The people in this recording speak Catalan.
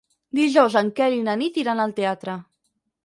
Dijous en Quel i na Nit iran al teatre.